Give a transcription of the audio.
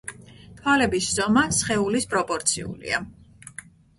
თვალების ზომა სხეულის პროპორციულია.